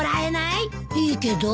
いいけど？